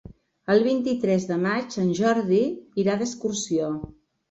El vint-i-tres de maig en Jordi irà d'excursió.